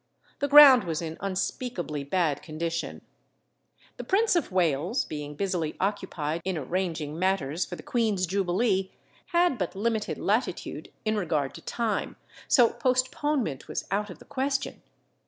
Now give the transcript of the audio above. The ground was in unspeakably bad condition. The Prince of Wales being busily occupied in arranging matters for the queen's jubilee had but limited latitude in regard to time, so postponement was out of the question.